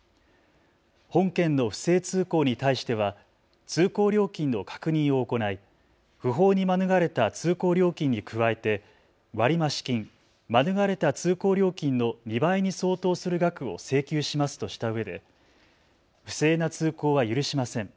本件の不正通行に対しては通行料金の確認を行い不法に免れた通行料金に加えて割増金、免れた通行料金の２倍に相当する額を請求しますとしたうえで不正な通行は許しません。